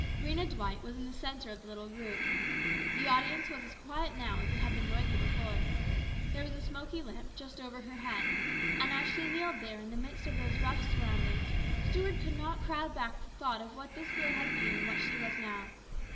Rhena Dwight was in the centre of the little group. The audience was as quiet now as it had been noisy before. There was a smoky lamp just over her head, and as she kneeled there in the midst of those rough surroundings Stuart could not crowd back the thought of what this girl had been and what she was now.